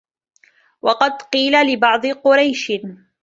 وَقَدْ قِيلَ لِبَعْضِ قُرَيْشٍ